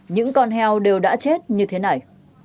những con heo đều đã chết như thế này